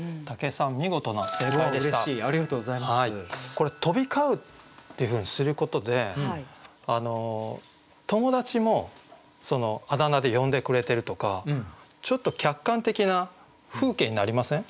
これ「飛び交ふ」っていうふうにすることで友達もそのあだ名で呼んでくれてるとかちょっと客観的な風景になりません？